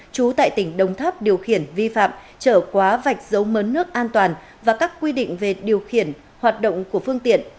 chú tại tỉnh đồng tháp điều khiển vi phạm trở quá vạch dấu mớn nước an toàn và các quy định về điều khiển hoạt động của phương tiện